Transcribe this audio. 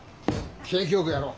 景気よくやろう。